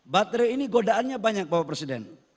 baterai ini godaannya banyak bapak presiden